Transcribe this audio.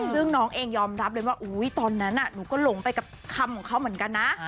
ซึ่งน้องเองยอมรับเลยว่าตอนนั้นหนูก็หลงไปกับคำของเขาเหมือนกันนะ